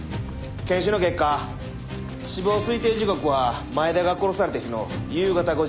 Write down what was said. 検視の結果死亡推定時刻は前田が殺された日の夕方５時から７時の間。